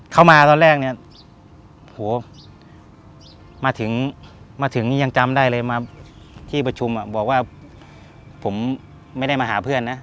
มาตอนแรกเนี่ยโหมาถึงมาถึงนี่ยังจำได้เลยมาที่ประชุมบอกว่าผมไม่ได้มาหาเพื่อนนะ